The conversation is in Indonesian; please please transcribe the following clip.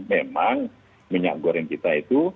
memang minyak goreng kita itu